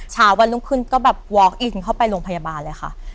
ช้าวันรุ่งขึ้นก็เวิร์กอีกไปโรงพยาบาลเลยค่ะ